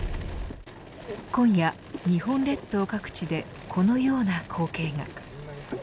今夜、日本列島各地でこのような光景が。